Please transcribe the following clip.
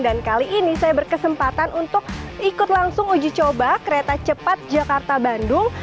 dan kali ini saya berkesempatan untuk ikut langsung uji coba kereta cepat jakarta bandung